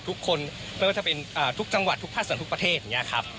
ทุกคนไม่ว่าจะเป็นทุกจังหวัดทุกภาคส่วนทุกประเทศอย่างนี้ครับ